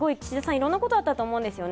いろんなことがあったと思うんですよね。